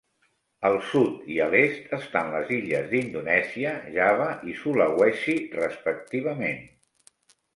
Al sud i a l'est estan les illes d'Indonèsia, Java i Sulawesi, respectivament.